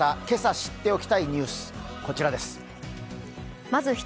今朝知っておきたいニュース、こちらです。